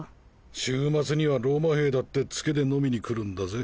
週末にはローマ兵だってツケで飲みに来るんだぜ。